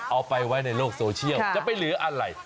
เอาไปไว้ในโลกโซเชียลจะไปเหลืออะไร